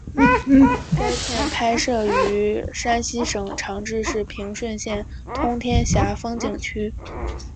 该片拍摄于山西省长治市平顺县通天峡风景区。